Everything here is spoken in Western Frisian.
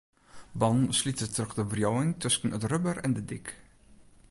Bannen slite troch de wriuwing tusken it rubber en de dyk.